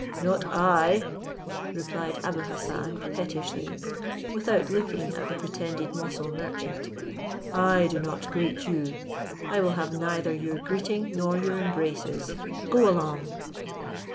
"Not I," replied Abou Hassan, pettishly, without looking at the pretended Moussul merchant; "I do not greet you; I will have neither your greeting nor your embraces. Go along!"